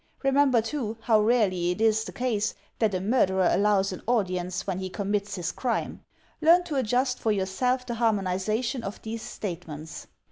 Remember, too, how rarely it is the case that a murderer allows an audience when he commits his crime. Learn to adjust for yourself the harmonization of these statements.